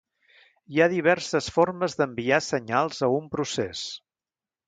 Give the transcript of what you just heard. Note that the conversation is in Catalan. Hi ha diverses formes d'enviar senyals a un procés.